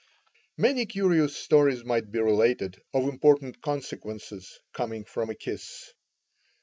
Many curious stories might be related of important consequences coming from a kiss.